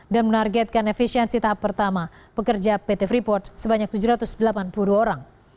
dan menargetkan efisiensi tahap pertama pekerja pt freeport sebanyak tujuh ratus delapan puluh dua orang